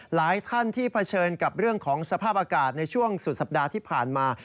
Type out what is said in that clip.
หลายท่านที่เผชิญกับเรื่องของสภาพอากาศในช่วงสุดสัปดาห์ที่ผ่านมา